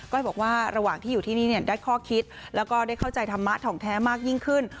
้อยบอกว่าระหว่างที่อยู่ที่นี่ได้ข้อคิดแล้วก็ได้เข้าใจธรรมะถ่องแท้มากยิ่งขึ้น